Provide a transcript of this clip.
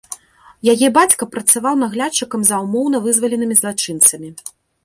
Яе бацька працаваў наглядчыкам за ўмоўна вызваленымі злачынцамі.